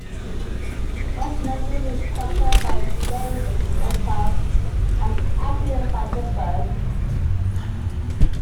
Original music is composed by Don Breithaupt and Anthony Vanderburgh.